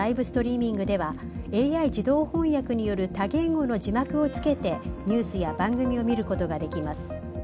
ストリーミングではＡＩ自動翻訳による多言語の字幕をつけてニュースや番組を見ることができます。